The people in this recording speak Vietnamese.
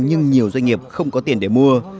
nhưng nhiều doanh nghiệp không có tiền để mua